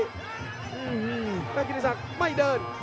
อื้อฮือแม้กิติศักดิ์ไม่เดิน